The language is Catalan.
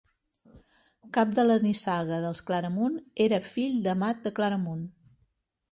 Cap de la nissaga dels Claramunt, era fill d'Amat de Claramunt.